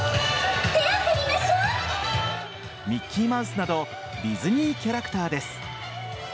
ミッキーマウスなどディズニーキャラクターです。